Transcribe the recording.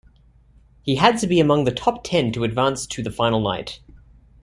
He had to be among the top ten to advance to the final night.